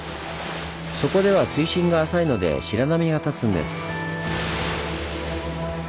そこでは水深が浅いので白波が立つんです。